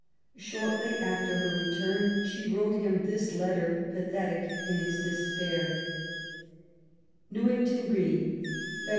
Shortly after her return she wrote him this letter, pathetic in its despair :— Newington Green, Feb.